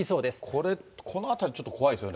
これ、この辺りちょっと怖いですよね。